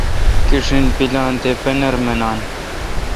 کݭین پلان تےپنر منان